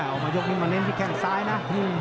ออกมายกนิดนึงมาเล่นพี่แข้งซ้ายนะ